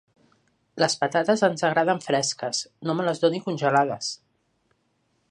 Les patates ens agraden fresques; no me les doni congelades.